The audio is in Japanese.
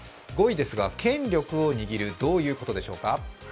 ５位ですが、権力を握る、どういうことでしょうか。